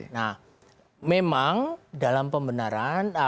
nah memang dalam pembenaran